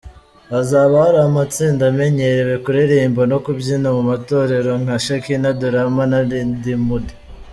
Hazaba hari amatsinda amenyerewe kuririmba no kubyina mu matorero nka Shekina Durama na Ridimudi